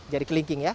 jadi kelingking ya